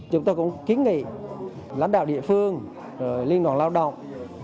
chúng tôi cũng kiến nghị lãnh đạo địa phương liên đoàn lao động